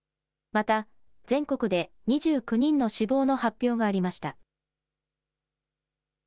また、全国で２９人の死亡の発表がありました。